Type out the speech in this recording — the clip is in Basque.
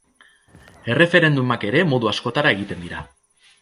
Erreferendumak ere modu askotara egiten dira.